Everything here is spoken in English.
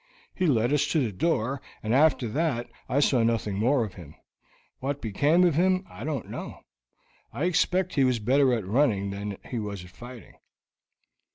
He led us to the door, and after that I saw nothing more of him. What became of him I don't know. I expect he was better at running than he was at fighting."